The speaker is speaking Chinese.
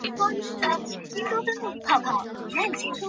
完全不给力